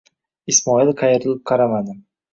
Ismoil qayrilib qaradi.